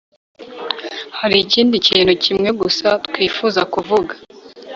hari ikindi kintu kimwe gusa twifuza kuvuga